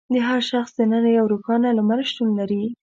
د هر شخص دننه یو روښانه لمر شتون لري.